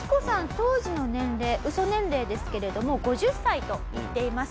当時の年齢ウソ年齢ですけれども５０歳と言っています。